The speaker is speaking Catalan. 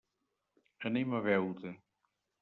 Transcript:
Anem a Beuda.